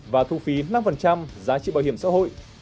và thu phí năm giá trị bảo hiểm xã hội